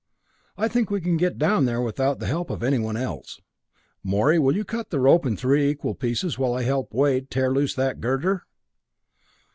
I think we can get down here without the help of anyone else. Morey, will you cut the rope in three equal pieces while I help Wade tear loose that girder?"